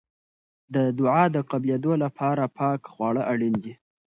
د دعا د قبلېدو لپاره پاکه خواړه اړین دي.